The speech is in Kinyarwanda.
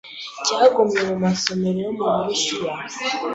cyagumye mu masomero yo mu burusiya